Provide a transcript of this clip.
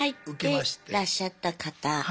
入ってらっしゃった方。